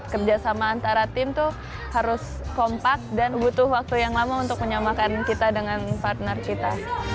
kerjasama antara tim itu harus kompak dan butuh waktu yang lama untuk menyamakan kita dengan partner kita